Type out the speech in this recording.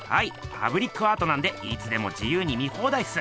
パブリックアートなんでいつでも自由に見放題っす！